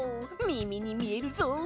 みみにみえるぞ！